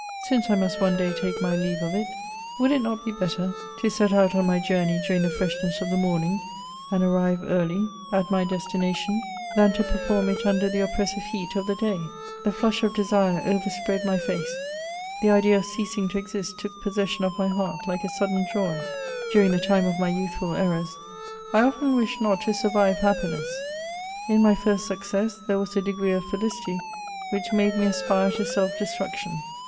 Since I must one day take my leave of it, would it not be better to set out on my journey during the freshness of the morning, and arrive early at my destination, than to perform it under the oppressive heat of the day ? The flash of desire overspread my face ; the idea of ceasing to exist took possession of my heart like a sudden joy. During the time of my youthful errors, I often wished not to survive happiness ; in my first success there was a degree of feUcity which made me aspire to self destruction.